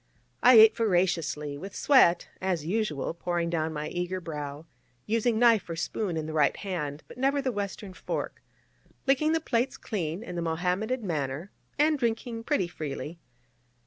I ate voraciously, with sweat, as usual, pouring down my eager brow, using knife or spoon in the right hand, but never the Western fork, licking the plates clean in the Mohammedan manner, and drinking pretty freely.